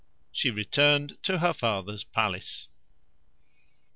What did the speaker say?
She returned to her father's palace.